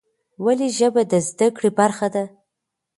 ولې ژبه د زده کړې برخه ده؟